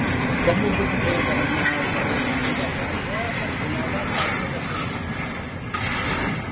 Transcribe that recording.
Com ho puc fer per anar al carrer Ventura Plaja cantonada Palma de Sant Just?